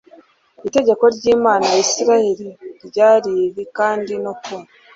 itegeko ry imana ya isirayeli ryari riri kandi no ku